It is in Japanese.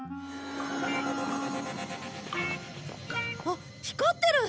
あっ光ってる！